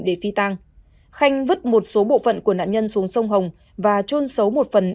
để phi tang khanh vứt một số bộ phận của nạn nhân xuống sông hồng và trôn xấu một phần